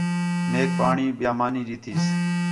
میک پاݨی، ٻِیا مانی ݙِتیس